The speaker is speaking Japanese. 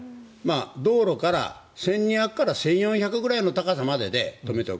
道路から１２００から１４００ぐらいの高さで止めておく。